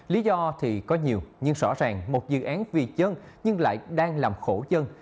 lý do thì có nhiều nhưng rõ ràng một dự án vì chân nhưng lại đang làm khổ chân